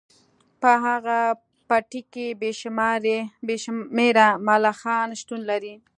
په هغه پټي کې بې شمیره ملخان شتون لري